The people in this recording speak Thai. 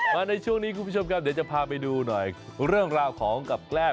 ในช่วงนี้คุณผู้ชมครับเดี๋ยวจะพาไปดูหน่อยเรื่องราวของกับแกล้ม